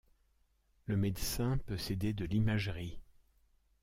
Le médecin peut s'aider de l'imagerie.